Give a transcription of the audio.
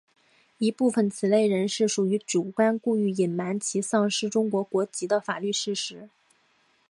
一部分此类人士属于主观故意隐瞒其丧失中国国籍的法律事实。